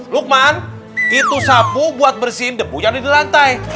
lukman itu sabu buat bersin debu yang ada di lantai